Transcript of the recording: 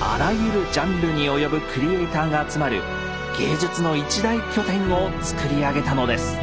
あらゆるジャンルに及ぶクリエーターが集まる芸術の一大拠点をつくり上げたのです。